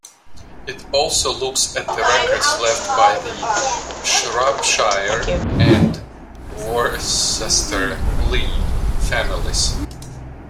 It also looks at the records left by the Shropshire and Worcester Lee families.